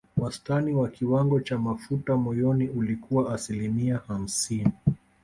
Wastani wa kiwango cha mafuta moyoni ulikuwa asilimia hamsini